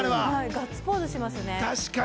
ガッツポーズしますね。